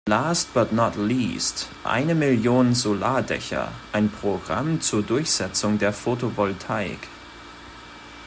Last but not least, eine Million Solardächer, ein Programm zur Durchsetzung der Photovoltaik.